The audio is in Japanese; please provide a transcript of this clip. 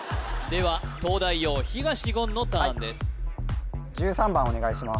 では東大王東言の１３番お願いします